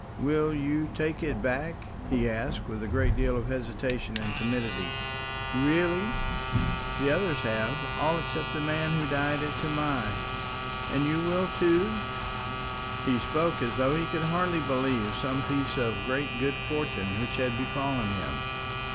"Will you take it back?" he asked, with a great deal of hesitation and timidity. "Really? The others have, all except the man who died at Tamai. And you will too!" He spoke as though he could hardly believe some piece of great good fortune which had befallen him.